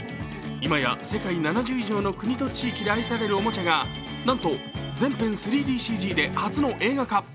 今や世界７０以上の国と地域でアイされるおもちゃがなんと全編３ＤＣＧで初の映画化。